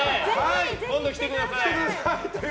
今度来てください！